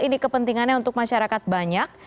ini kepentingannya untuk masyarakat banyak